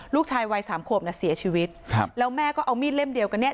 ลูกชายวัย๓ขวบเสียชีวิตแล้วแม่ก็เอามีดเล่มเดียวกันเนี่ย